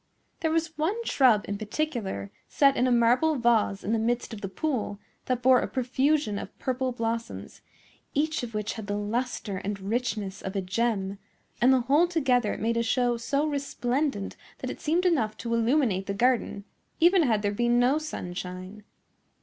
There was one shrub in particular, set in a marble vase in the midst of the pool, that bore a profusion of purple blossoms, each of which had the lustre and richness of a gem; and the whole together made a show so resplendent that it seemed enough to illuminate the garden, even had there been no sunshine.